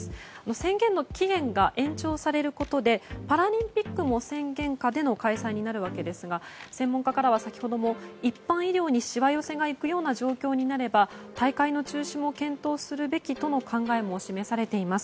宣言の期限が延長されることでパラリンピックも宣言下での開催になるわけですが専門家からは先ほども一般医療にしわ寄せがいくような状況になれば大会の中止も検討するべきという考えを示されています。